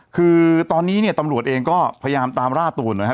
คือตอนนี้เนี่ยตำรวจเองก็พยายามตามล่าตัวนะครับ